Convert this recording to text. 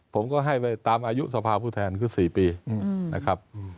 ผมก็ให้ไปตามอายุสภาพผู้แทนคือ๔ปีนะครับ